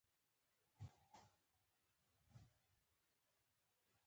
د اروپایانو ځواک د کمزورتیا په لور روان شو.